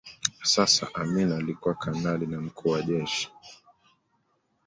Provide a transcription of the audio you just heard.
Sasa Amin alikuwa kanali na mkuu wa jeshi